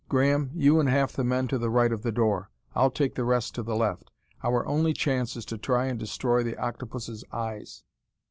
Graham, you and half the men to the right of the door. I'll take the rest to the left. Our only chance is to try and destroy the octopus' eyes."